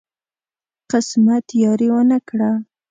قسمت یاري ونه کړه.